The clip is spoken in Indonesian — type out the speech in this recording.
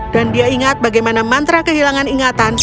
dan dia ingat bagaimana mantra kehilangan ingatan